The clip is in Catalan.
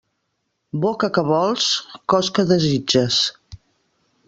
Boca què vols, cos què desitges.